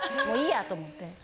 もういいやと思って。